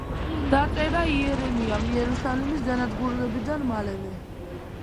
დაწერა იერემიამ იერუსალიმის განადგურებიდან მალევე.